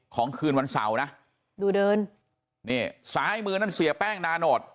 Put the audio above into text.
คืนวันเสาร์นะดูเดินนี่ซ้ายมือนั่นเสียแป้งนาโนต